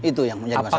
itu yang menjadi masalah